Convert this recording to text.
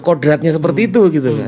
kodratnya seperti itu